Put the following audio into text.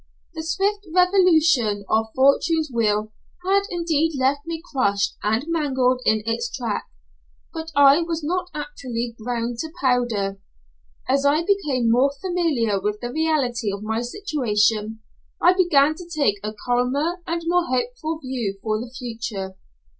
The swift revolution of Fortune's wheel had indeed left me crushed and mangled in its track, but I was not actually ground to powder. As I became more familiar with the reality of my situation, I began to take a calmer and more hopeful view of the future.